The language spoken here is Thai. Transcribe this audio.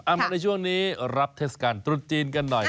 มาในช่วงนี้รับเทศกาลตรุษจีนกันหน่อย